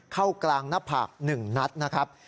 เข้ากลางหน้าผาก๑นัดนะครับ